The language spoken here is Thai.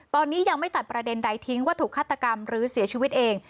ตอนนี้ยังไม่ตัดประเด็นใดทิ้งว่าถูกฆาตกรรมหรือเสียชีวิตเอง